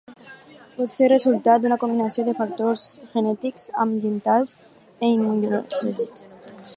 Pot ser resultat d'una combinació de factors genètics, ambientals i immunològics.